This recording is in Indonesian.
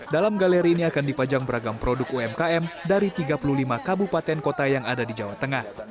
dalam galeri ini akan dipajang beragam produk umkm dari tiga puluh lima kabupaten kota yang ada di jawa tengah